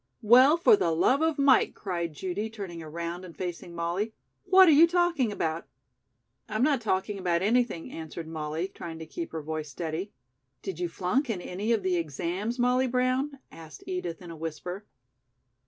"Well, for the love of Mike," cried Judy, turning around and facing Molly. "What are you talking about?" "I'm not talking about anything," answered Molly, trying to keep her voice steady. "Did you flunk in any of the exams., Molly Brown?" asked Edith in a whisper.